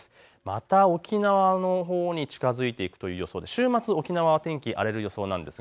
また沖縄のほうに近づいていくという予想で週末は沖縄、天気、荒れる予想です。